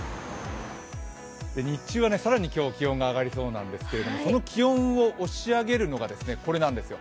日中は更に今日は気温が上がりそうなんですけれども、その気温を押し上げるのがこれなんですよ。